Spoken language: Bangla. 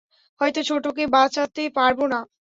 হয়তো ছোটকে বাঁচাতে পারব না।